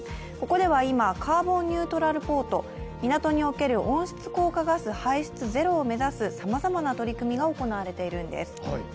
ここでは今、カーボンニュートラルポート、港における温室効果ガス排出ゼロを目指すさまざまな取り組みが行われているんです。